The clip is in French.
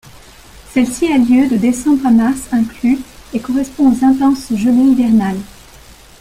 Celle-ci a lieu de décembre à mars inclus et correspond aux intenses gelées hivernales.